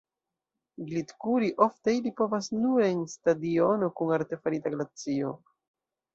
Glitkuri ofte ili povas nur en stadiono kun artefarita glacio.